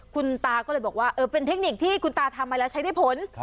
คุณตาก็เลยบอกว่าเออเป็นเทคนิคที่คุณตาทำมาแล้วใช้ได้ผล